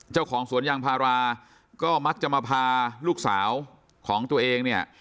เจ้าของสวนยางพาราก็มักจะมาพาลูกสาวของตัวเองเนี่ย